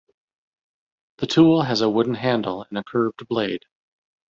The tool has a wooden handle and a curved blade.